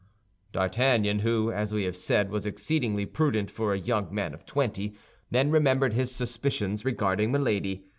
D'Artagnan, who, as we have said, was exceedingly prudent for a young man of twenty, then remembered his suspicions regarding Milady.